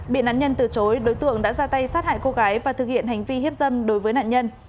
bị nạn nhân từ chối đối tượng đã ra tay sát hại cô gái và thực hiện hành vi hiếp dâm đối với nạn nhân